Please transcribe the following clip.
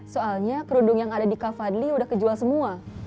soalnya kerudung yang ada di kafadli udah kejual semua